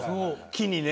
木にね。